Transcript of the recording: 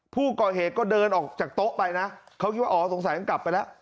ผู้ก่อเหตุก็เดินออกจากโต๊ะไปนะเขาคิดว่าอ๋อสงสัยมันกลับไปแล้ว